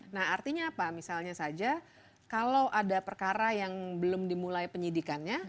nah artinya apa misalnya saja kalau ada perkara yang belum dimulai penyidikannya